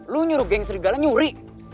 lo nyuruh geng serigala nyuri